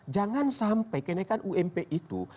jangan sampai kenaikan ump itu